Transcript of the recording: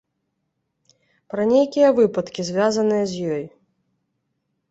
Пра нейкія выпадкі, звязаныя з ёй.